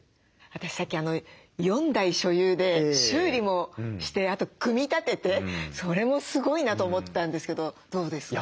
私さっき４台所有で修理もしてあと組み立ててそれもすごいなと思ったんですけどどうですか？